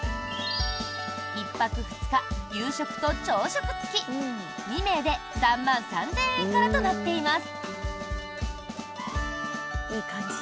１泊２日、夕食と朝食付き２名で３万３０００円からとなっています。